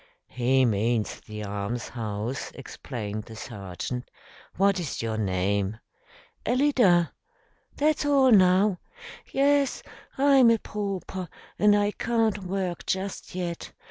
"He means the almshouse," explained the sergeant. "What is your name?" "Alida that's all now. Yes, I'm a pauper and I can't work just yet.